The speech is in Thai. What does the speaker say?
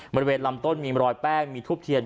บริเวณลำต้นมีรอยแป้งมีทูบเทียน